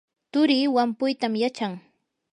turii wampuytam yachan.